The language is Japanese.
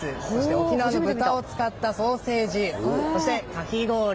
沖縄の豚を使ったソーセージかき氷。